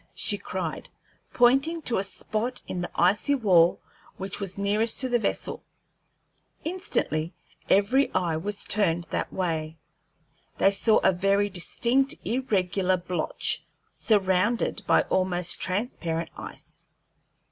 she cried, pointing to a spot in the icy wall which was nearest to the vessel. Instantly every eye was turned that way. They saw a very distinct, irregular blotch, surrounded by almost transparent ice.